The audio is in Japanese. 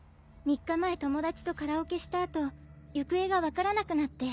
３日前友達とカラオケした後行方が分からなくなって。